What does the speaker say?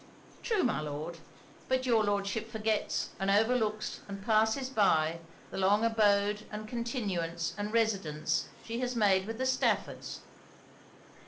'True, my Lord. But your Lordship forgets and overlooks and passes by the long abode and continuance and residence she has made with the Staffords.